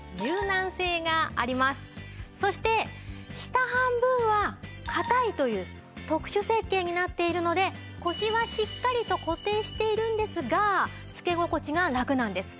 そして下半分は硬いという特殊設計になっているので腰はしっかりと固定しているんですが着け心地が楽なんです。